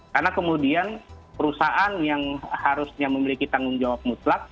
karena kemudian perusahaan yang harusnya memiliki tanggung jawab mutlak